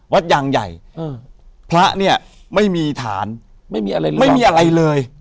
วัดยางใหญ่พระเนี่ยไม่มีฐานไม่มีอะไรเลย